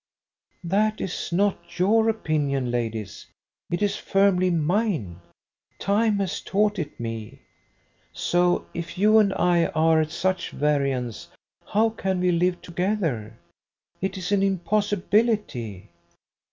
"That is not your opinion, ladies. It is firmly mine. Time has taught it me. So, if you and I are at such variance, how can we live together? It is an impossibility."